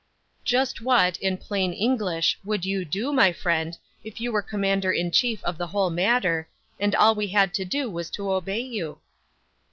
"Just what, in plain English, would you do, my friend, if you were commander in chief of the whole matter, and all we had to do was to obey you?"